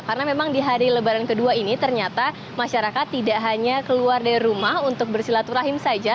karena memang di hari lebaran kedua ini ternyata masyarakat tidak hanya keluar dari rumah untuk bersilaturahim saja